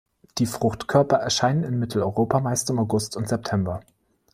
Die Fruchtkörper erscheinen in Mitteleuropa meist im August und September.